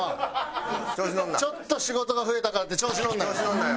ちょっと仕事が増えたからって調子乗るなよ。